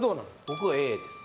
僕Ａです